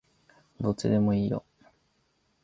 どっちでもいいよ